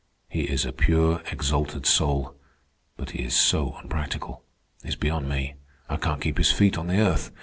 He is a pure, exalted soul, but he is so unpractical. He's beyond me. I can't keep his feet on the earth.